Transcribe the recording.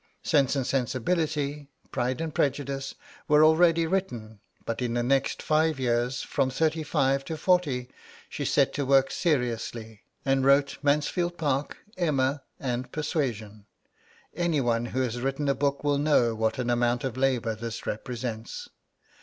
'Sense and Sensibility,' 'Pride and Prejudice,' were already written; but in the next five years, from thirty five to forty, she set to work seriously, and wrote 'Mansfield Park,' 'Emma,' and 'Persuasion.' Any one who has written a book will know what an amount of labour this represents....